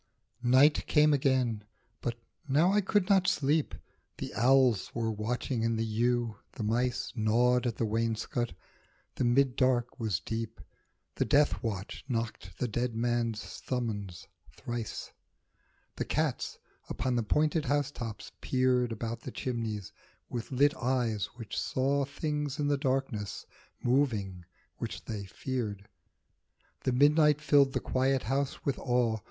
NIGHT came again, but now I could not sleep ; The owls were watching in the yew, the mice Gnawed at the wainscot. The mid dark was deep. The death watch knocked the dead man's summons thrice. The cats upon the pointed housetops peered About the chimneys, with lit eyes which saw Things in the darkness, moving, which they feared ; The midnight filled the quiet house with awe.